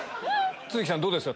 都筑さんどうですか？